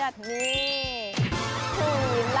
เอาเด็กขยะ